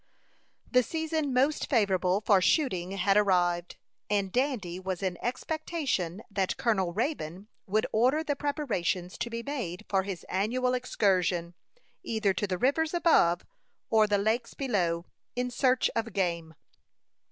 The season most favorable for shooting had arrived, and Dandy was in expectation that Colonel Raybone would order the preparations to be made for his annual excursion, either to the rivers above, or the lakes below, in search of game.